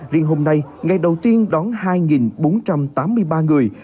riêng hôm nay ngày đầu tiên đón hai bốn trăm tám mươi ba người